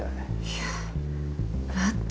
いや待って。